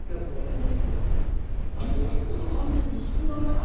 にんにくの感じ、薄くない？